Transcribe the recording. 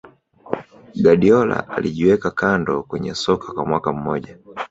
Guardiola alijiweka kando kwenye soka kwa mwaka mmoja